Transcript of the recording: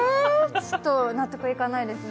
ちょっと納得いかないですね。